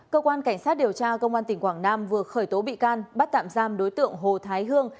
cơ quan cảnh sát điều tra công an tỉnh quảng nam vừa khởi tố bị can bắt tạm giam đối tượng hồ thái hương